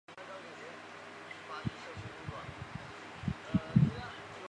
而且还是古典时代唯一留存下来的插图本荷马史诗。